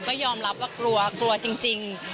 ก็ยอมรับว่ากลัวจริง